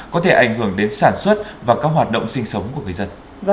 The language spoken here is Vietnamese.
có thể ảnh hưởng đến sản xuất và các hoạt động sinh sống của người dân